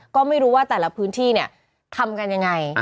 ก็ไม่รู้ว่าแต่ละพื้นที่เนี่ยทำกันยังไง